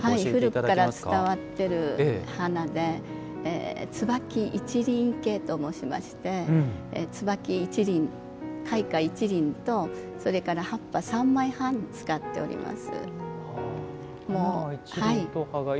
古くから伝わっている花で椿一輪生けと申しまして椿１輪と葉っぱ３枚半使っております。